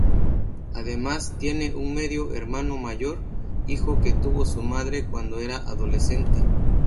Además tiene un medio hermano mayor, hijo que tuvo su madre cuando era adolescente.